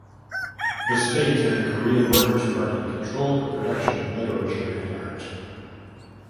The state and the Korean Workers' Party control the production of literature and art.